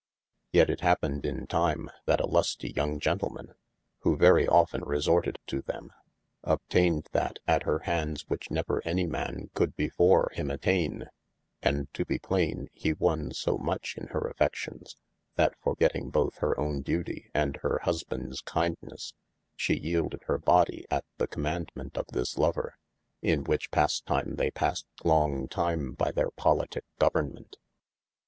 Yet it happened in time that a lustie young gentleman (who very often resorted to them) obtayned that at hir handes, which never any man coulde before him attaine : and to be plaine, he wonne so much in hir affe&ions, that forgetting both hir owne duty, and hir husbandes kindnes, shee yeelded hir body at the commaundement of this lover, in which pastime they passed long tyme by theyr pollitycke government.